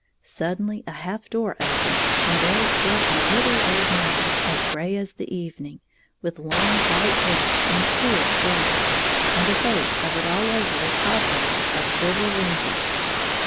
Suddenly a half door opened and there stood a Uttle old man, as gray as the evening, with long white hair and queer clothes, and a face covered all over with cobwebs of silver wrinkles.